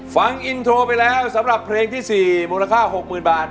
ฟังอินโทรไปแล้วสำหรับเพลงที่๔มูลค่า๖๐๐๐บาท